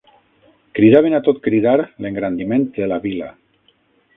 Cridaven a tot cridar l'engrandiment de la vila